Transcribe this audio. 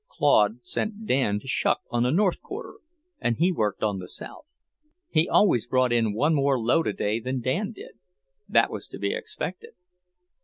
Claude sent Dan to shuck on the north quarter, and he worked on the south. He always brought in one more load a day than Dan did, that was to be expected.